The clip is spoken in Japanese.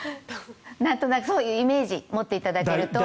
なんとなくそういうイメージを持っていただくと。